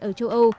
ở châu âu